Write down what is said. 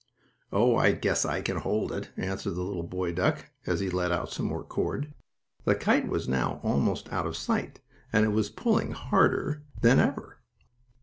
"Oh, I guess I can hold it," answered the little boy duck, as he let out some more cord. The kite was now almost out of sight, and it was pulling harder than ever.